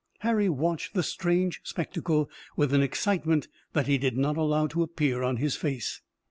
Harry watched the strange spectacle with an excitement that he did not allow to appear on his face.